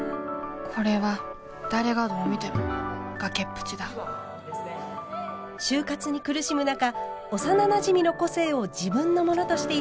これは誰がどう見ても崖っぷちだ就活に苦しむ中幼なじみの個性を自分のものとして偽った主人公。